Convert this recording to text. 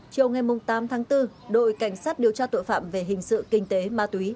chiều ngày tám tháng bốn đội cảnh sát điều tra tội phạm về hình sự kinh tế ma túy